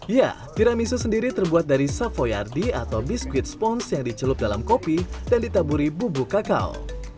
ya tiramisu sendiri terbuat dari savoyardi atau biskuit sponge yang dicelup dalam kopi dan ditaburi bubuk kakao